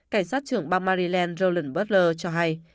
cảnh sát trưởng bà marilyn rowland butler cho hay